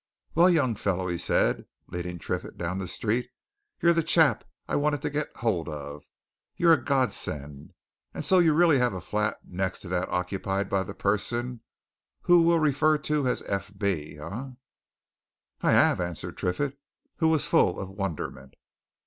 "Well, young fellow!" he said, leading Triffitt down the street, "you're the chap I wanted to get hold of! you're a godsend. And so you really have a flat next to that occupied by the person whom we'll refer to as F. B., eh?" "I have," answered Triffitt, who was full of wonderment.